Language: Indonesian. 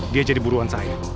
dia jadi buruan saya